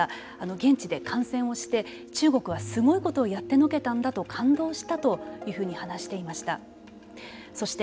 現地で観戦をして中国はすごいことをやってのけたんだと感動したというふうに話していました。